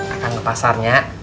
akan ke pasarnya